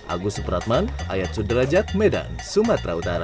agus supratman ayat sudrajat medan sumatera utara